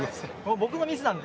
僕のミスなんで。